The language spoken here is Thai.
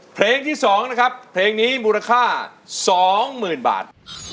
เพลงที่๒นะครับเพลงนี้มูลค่า๒๐๐๐บาท